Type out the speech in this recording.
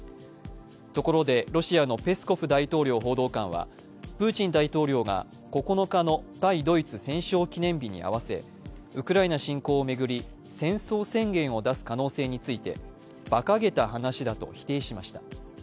ところで、ロシアのペスコフ大統領報道官はプーチン大統領が９日の対ドイツ戦勝記念日に合わせウクライナ侵攻を巡り戦争宣言を出す可能性についてばかげた話だと否定しました。